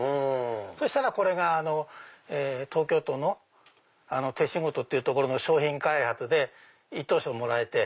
そしたらこれが東京都の「手仕事」ってとこの商品開発で１等賞もらえて。